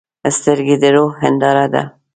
سترګې د روح هنداره ده.